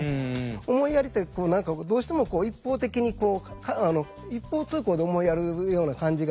思いやりって何かどうしても一方的に一方通行で思いやるような感じがある。